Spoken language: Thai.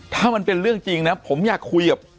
ถ้ามันเป็นเรื่องจริงนะผมอยากคุยกับ